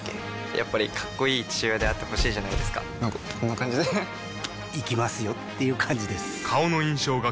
やっぱりかっこいい父親であってほしいじゃないですかなんかこんな感じで行きますよっていう感じです